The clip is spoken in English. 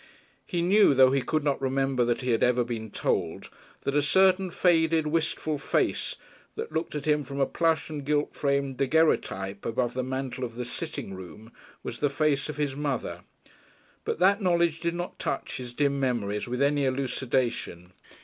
He knew, though he could not remember that he had ever been told, that a certain faded, wistful face, that looked at him from a plush and gilt framed daguerreotype above the mantel of the "sitting room," was the face of his mother. But that knowledge did not touch his dim memories with any elucidation.